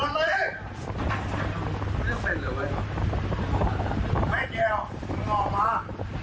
ไม่เกี่ยวมึงออกมา